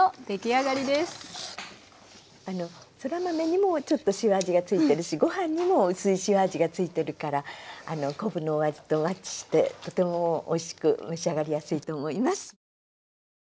そら豆にもちょっと塩味が付いてるしご飯にも薄い塩味が付いてるから昆布のお味とマッチしてとてもおいしく召し上がりやすいと思います。